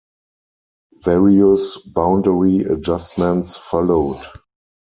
Various boundary adjustments followed.